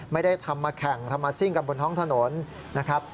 ไม่ได้ทำมาแข่งทำมาซิ่งกันบนท้องถนนนะครับ